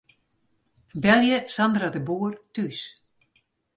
Belje Sandra de Boer thús.